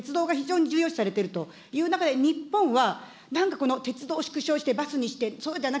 鉄道が非常に重要視されているという中で、日本は、なんか鉄道を縮小してバスにして、そうじゃな